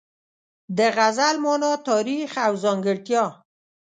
د غزل مانا، تاریخ او ځانګړتیا